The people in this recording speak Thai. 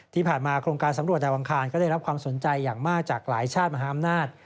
โครงการสำรวจดาวอังคารก็ได้รับความสนใจอย่างมากจากหลายชาติมหาอำนาจ